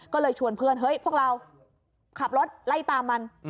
ก็เลยชวนเพื่อนเฮ้ยพวกเราขับรถไล่ตามมัน